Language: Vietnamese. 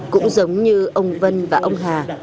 cũng giống như ông vân và ông hà